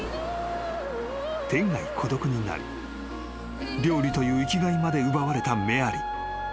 ［天涯孤独になり料理という生きがいまで奪われたメアリー］